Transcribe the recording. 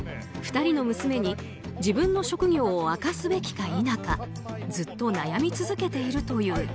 ２人の娘に自分の職業を明かすべきか否かずっと悩み続けているという。